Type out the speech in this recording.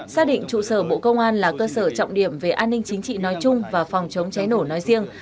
xác định trụ sở bộ công an là cơ sở trọng điểm về an ninh chính trị nói chung và phòng chống cháy nổ nói riêng